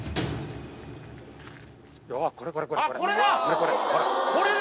これこれこれこれ！